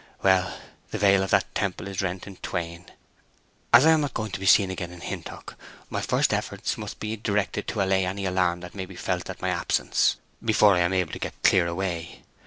Well—the veil of that temple is rent in twain!...As I am not going to be seen again in Hintock, my first efforts must be directed to allay any alarm that may be felt at my absence, before I am able to get clear away.